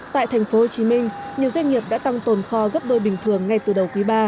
tại thành phố hồ chí minh nhiều doanh nghiệp đã tăng tồn kho gấp đôi bình thường ngay từ đầu quý ba